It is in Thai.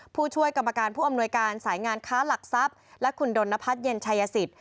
ผู้ช่วยกรรมการผู้อำนวยการสายงานค้าหลักทรัพย์และคุณดนพัฒน์เย็นชายสิทธิ